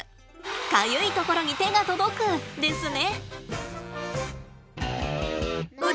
かゆい所に手が届くですね。